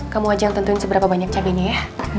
kamu aja yang tentuin seberapa banyak cabenya ya